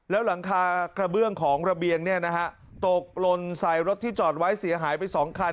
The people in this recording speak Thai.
แล้วหลังคากระเบื้องของระเบียงตกลนใส่รถที่จอดไว้เสียหายไป๒คัน